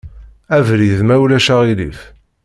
Abrid, ma ulac aɣilif.